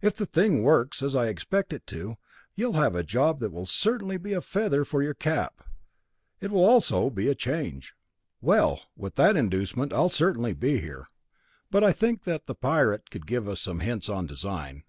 "If the thing works, as I expect it to, you'll have a job that will certainly be a feather for your cap. Also it will be a change." "Well, with that inducement, I'll certainly be here. But I think that pirate could give us some hints on design.